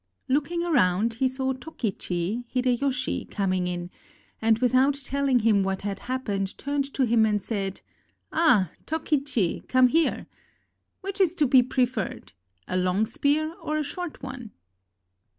Look ing around, he saw Tokichi [Hideyoshi] coming in, and, without telling him what had happened, turned to him and said: "Ah! Tokichi, come here. Which is to be pre ferred, a long spear or a short one?"